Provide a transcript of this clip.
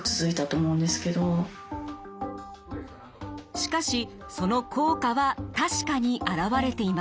しかしその効果は確かに表れていました。